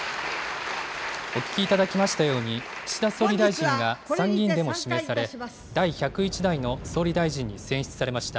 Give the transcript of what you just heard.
お聞きいただきましたように、岸田総理大臣が参議院でも指名され、第１０１代の総理大臣に選出されました。